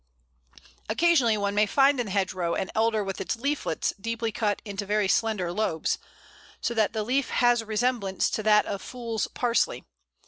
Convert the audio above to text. Occasionally one may find in the hedgerow an Elder with its leaflets deeply cut into very slender lobes, so that the leaf has resemblance to that of Fool's Parsley.